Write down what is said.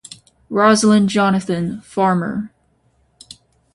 Roslin Jonathan, farmer.